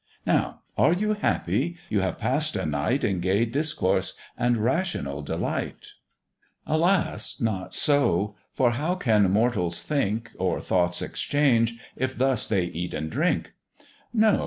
"Now are you happy? you have pass'd a night In gay discourse, and rational delight." "Alas! not so: for how can mortals think, Or thoughts exchange, if thus they eat and drink? No!